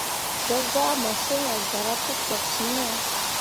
Zah zaa masǝŋ a gara pu toksyiŋ ah.